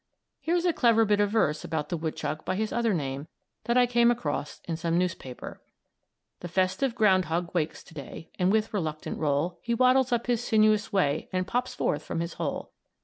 Here's a clever bit of verse about the woodchuck by his other name, that I came across in some newspaper: "The festive ground hog wakes to day, And with reluctant roll, He waddles up his sinuous way And pops forth from his hole.